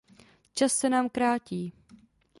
Čas se nám krátí!